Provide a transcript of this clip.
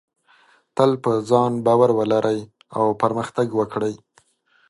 تل په ځان باور ولرئ او پرمختګ وکړئ.